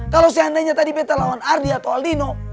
kalau seandainya tadi beta lawan ardi atau alino